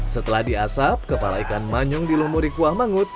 setelah diasap kepala ikan manyung dilumuri kuah mangut